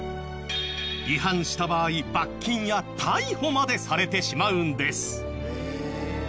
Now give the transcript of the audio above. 違反した場合罰金や逮捕までされてしまうんです。